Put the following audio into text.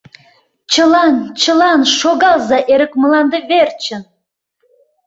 Чылан, чылан шогалза эрык мланде верчын!